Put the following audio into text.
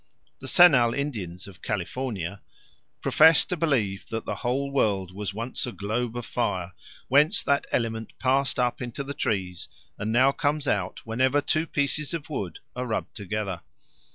The Senal Indians of California "profess to believe that the whole world was once a globe of fire, whence that element passed up into the trees, and now comes out whenever two pieces of wood are rubbed together."